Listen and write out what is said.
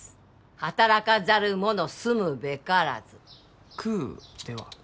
働かざる者住むべからず食うでは？